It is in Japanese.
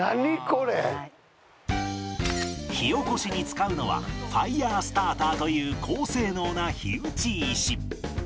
火おこしに使うのはファイヤースターターという高性能な火打ち石